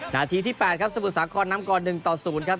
นาทีที่แปดครับสมุทรสาครน้ำกรหนึ่งต่อศูนย์ครับ